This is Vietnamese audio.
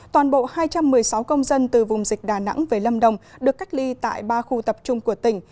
toàn bộ hai trăm một mươi sáu công dân từ vùng dịch đà nẵng về lâm đồng được cách ly tại ba khu tập trung của tỉnh